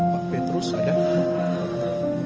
pak petrus ada